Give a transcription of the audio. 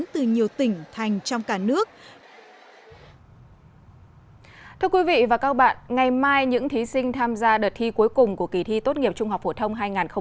thưa quý vị và các bạn ngày mai những thí sinh tham gia đợt thi cuối cùng của kỳ thi tốt nghiệp trung học phổ thông hai nghìn hai mươi